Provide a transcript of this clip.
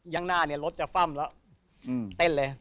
อย่างหน้ารถจะฟ่ำแล้ว